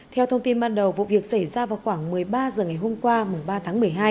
theo thông tin ban đầu vụ việc xảy ra vào khoảng một mươi ba h ngày hôm qua ba tháng một mươi hai